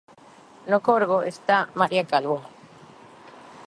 No Corgo está María Calvo.